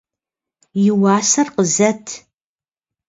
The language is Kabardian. И уасэр къызэт.